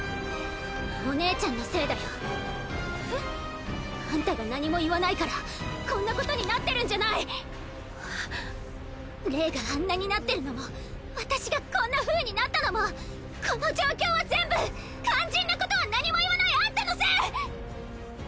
お姉ちゃんのせいだよえっ？あんたが何も言わないからこんなことになってるんじゃないレイがあんなになってるのも私がこんなふうになったのもこの状況は全部肝心なことは何も言わないあんたのせい！